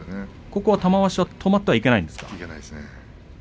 ここは玉鷲は止まってはいけないですね。